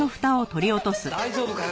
大丈夫かよ？